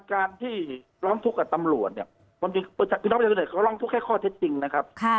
การที่ล้องทุกข์กับตำรวจเขาล้องทุกข์แค่ข้อทิศจริงนะครับ